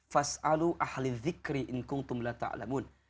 fas'alu ahli zikri in kung tumla ta'lamun